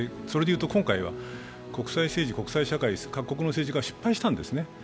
それでいうと、今回は国際政治、各国の政治家は失敗したんですね。